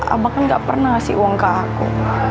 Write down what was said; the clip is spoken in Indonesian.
abang kan gak pernah ngasih uang ke aku